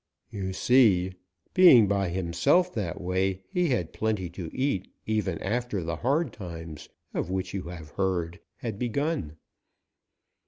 You see, being by himself that way, he had plenty to eat even after the hard times of which you have heard had begun.